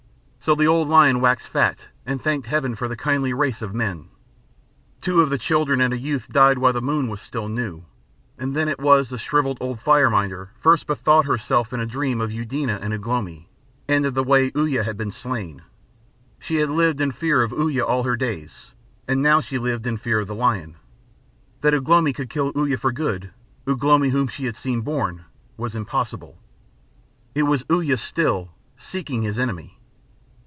So the old lion waxed fat and thanked heaven for the kindly race of men. Two of the children and a youth died while the moon was still new, and then it was the shrivelled old fire minder first bethought herself in a dream of Eudena and Ugh lomi, and of the way Uya had been slain. She had lived in fear of Uya all her days, and now she lived in fear of the lion. That Ugh lomi could kill Uya for good Ugh lomi whom she had seen born was impossible. It was Uya still seeking his enemy!